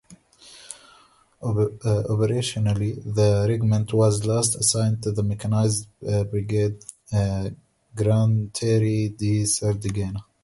Operationally the regiment was last assigned to the Mechanized Brigade "Granatieri di Sardegna".